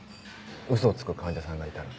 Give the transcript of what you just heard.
ウソをつく患者さんがいたら。